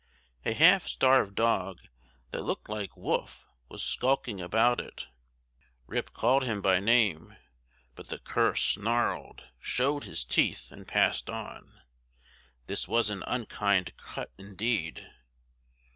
A half starved dog, that looked like Wolf, was skulking about it. Rip called him by name, but the cur snarled, showed his teeth, and passed on. This was an unkind cut indeed.